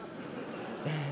ええ。